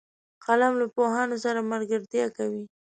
قلم له پوهانو سره ملګرتیا کوي